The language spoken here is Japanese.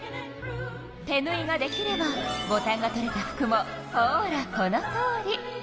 手ぬいができればボタンが取れた服もほらこのとおり！